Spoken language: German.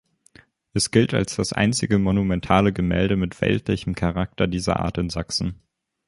Es gilt als das einzige monumentale Gemälde mit weltlichem Charakter dieser Art in Sachsen.